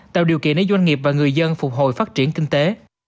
tạo điều kiện để doanh nghiệp và người dân phục hồi phát triển kinh tế